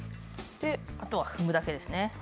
あとは踏むだけですね。